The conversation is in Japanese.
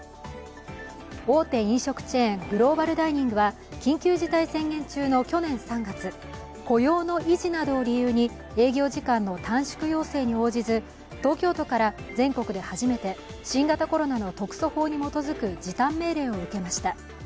大手飲食チェーン、グローバルダイニングは、緊急事態宣言中の去年３月、雇用の維持などを理由に営業時間の短縮要請に応じず東京都から全国で初めて新型コロナの特措法に基づく時短命令を受けました。